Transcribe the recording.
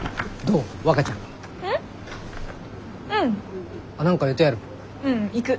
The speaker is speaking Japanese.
ううん行く。